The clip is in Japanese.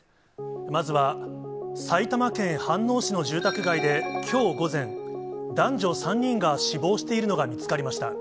まずは、埼玉県飯能市の住宅街できょう午前、男女３人が死亡しているのが見つかりました。